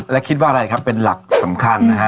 และคิดว่าอะไรครับเป็นหลักสำคัญนะฮะ